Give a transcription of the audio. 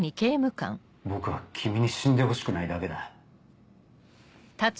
僕は君に死んでほしくないだけだ。